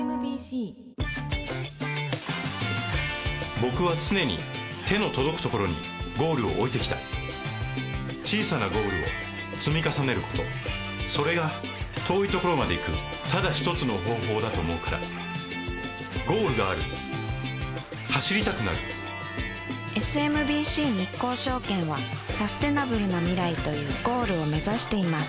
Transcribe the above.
僕は常に手の届くところにゴールを置いてきた小さなゴールを積み重ねることそれが遠いところまで行くただ一つの方法だと思うからゴールがある走りたくなるＳＭＢＣ日興証券はサステナブルな未来というゴールを目指しています